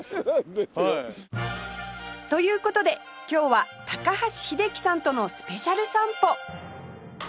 という事で今日は高橋英樹さんとのスペシャル散歩！